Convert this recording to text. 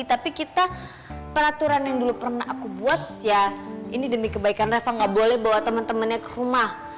tapi kita peraturan yang dulu pernah aku buat ya ini demi kebaikan reva gak boleh bawa teman temannya ke rumah